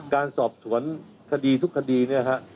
การสอบสวนคดีทุกคดีเนี่ยฮะ